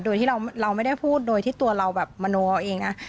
โดยที่เราไม่ได้พูดโดยที่ตัวเราแบบมโนเอาเองนะ